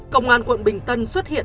công an quận bình tân xuất hiện